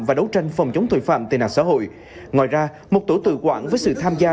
và đấu tranh phòng chống tội phạm tệ nạn xã hội ngoài ra một tổ tự quản với sự tham gia